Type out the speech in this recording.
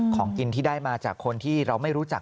ของกินที่ได้มาจากคนที่เราไม่รู้จัก